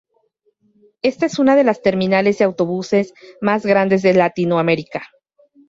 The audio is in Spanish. Esta es una de las terminales de autobuses más grandes de latinoamerica.